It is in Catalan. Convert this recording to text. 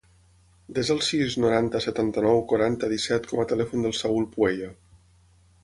Desa el sis, noranta, setanta-nou, quaranta, disset com a telèfon del Saül Pueyo.